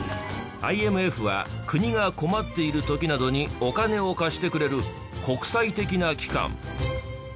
ＩＭＦは国が困っている時などにお金を貸してくれる国際的な機関。